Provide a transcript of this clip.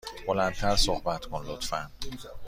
بلند تر صحبت کن، لطفا.